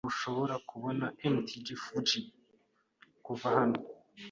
Ntushobora kubona Mt. Fuji kuva hano.